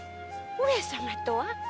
上様とは？